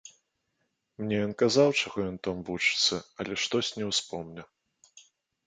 Мне ён казаў, чаго ён там вучыцца, але штось не ўспомню.